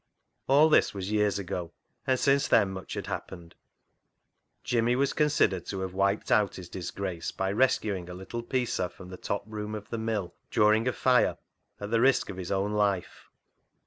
All this was years ago, and since then much had happened. Jimmy was considered to have wiped out his disgrace by rescuing a little piecer from the top room of the mill during a fire at the risk of his own life.